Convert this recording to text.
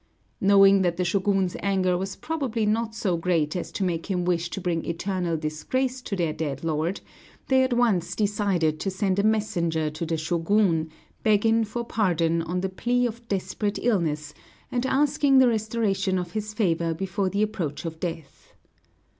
Knowing that the Shōgun's anger was probably not so great as to make him wish to bring eternal disgrace to their dead lord, they at once decided to send a messenger to the Shōgun, begging for pardon on the plea of desperate illness, and asking the restoration of his favor before the approach of death.